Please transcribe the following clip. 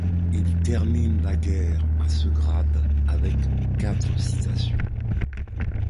Il termine la guerre à ce grade avec quatre citations.